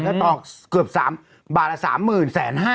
ก็ต่อเกือบ๓บาทละ๓หมื่นแสน๕นะ